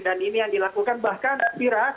dan ini yang dilakukan berdasarkan kondisi kesehatan